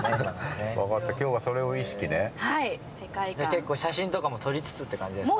結構、写真とかも撮りつつっていう感じですか？